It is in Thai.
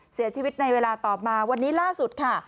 เสียชีวิตในเวลาต่อมาวันนี้ล่าสุดค่ะ